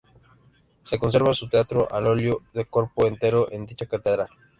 Se conserva su retrato al óleo, de cuerpo entero, en dicha Catedral.